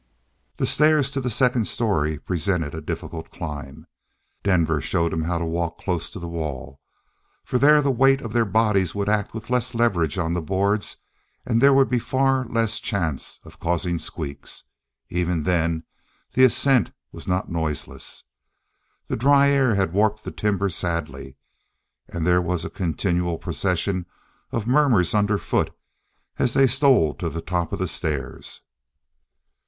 The stairs to the second story presented a difficult climb. Denver showed him how to walk close to the wall, for there the weight of their bodies would act with less leverage on the boards and there would be far less chance of causing squeaks. Even then the ascent was not noiseless. The dry air had warped the timber sadly, and there was a continual procession of murmurs underfoot as they stole to the top of the stairs.